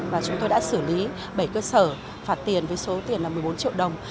và chúng tôi đã xử lý bảy cơ sở phạt tiền với số tiền là một mươi bốn triệu đồng